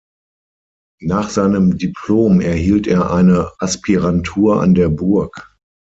Nach seinem Diplom erhielt er eine Aspirantur an der „Burg“.